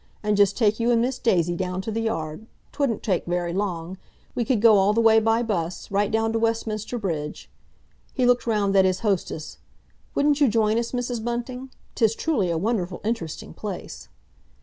—and just take you and Miss Daisy down to the Yard. 'Twouldn't take very long; we could go all the way by bus, right down to Westminster Bridge." He looked round at his hostess: "Wouldn't you join us, Mrs. Bunting? 'Tis truly a wonderful interesting place."